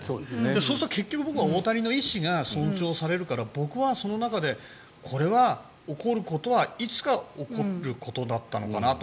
そうすると結局僕は大谷の意思が尊重されるから僕は、その中でこれは起こることはいつか起こることだったのかなと。